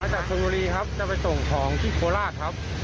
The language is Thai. จากชนบุรีครับจะไปส่งของที่โคราชครับ